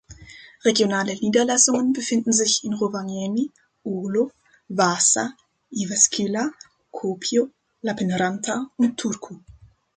Regionale Niederlassungen befinden sich in Rovaniemi, Oulu, Vaasa, Jyväskylä, Kuopio, Lappeenranta und Turku.